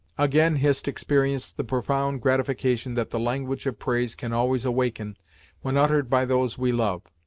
Again Hist experienced the profound gratification that the language of praise can always awaken when uttered by those we love.